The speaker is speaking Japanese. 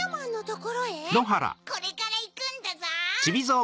これからいくんだゾウ。